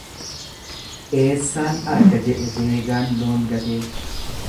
Eessaan arga jedhe deegaan loon gatee.